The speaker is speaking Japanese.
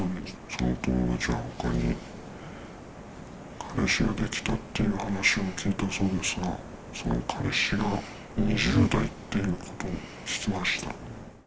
その友達はほかに彼氏ができたっていう話を聞いたそうですが、その彼氏が２０代っていうことを聞きました。